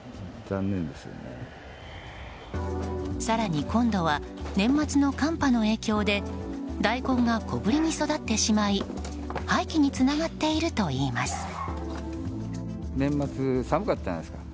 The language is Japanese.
更に今度は年末の寒波の影響で大根が小ぶりに育ってしまい廃棄につながっているといいます。